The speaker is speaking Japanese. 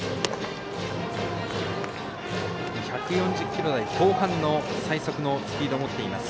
１４０キロ台後半の最速のスピードを持っています。